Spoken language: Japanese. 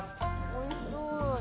おいしそうだね。